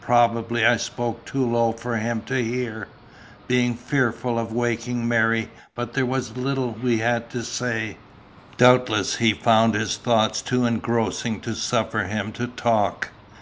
Probably I spoke too low for him to hear, being fearful of waking Mary; but there was little we had to say. Doubtless he found his thoughts too engrossing to suffer him to talk.